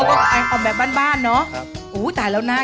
เขาเพ็ดแบบบ้านเน่า